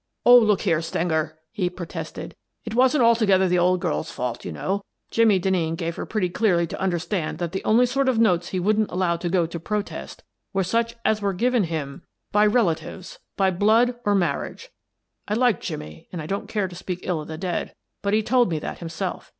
"Oh, look here, Stenger," he protested, "it wasn't altogether the old girl's fault, you know. Jimmie Denneen gave her pretty clearly to under stand that the only sort of notes he wouldn't allow to go to protest were such as were given him by The Woman in the Case 195 relatives — by blood or marriage. I liked Jimmie, and I don't care to speak ill of the dead, but he told me that himself.